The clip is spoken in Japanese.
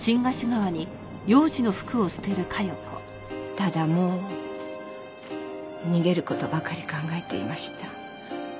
ただもう逃げる事ばかり考えていました。